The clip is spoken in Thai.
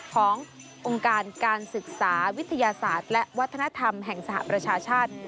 ขององค์การการศึกษาวิทยาศาสตร์และวัฒนธรรมแห่งสหประชาชาติ